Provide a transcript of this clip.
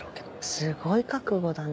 すごい覚悟だね。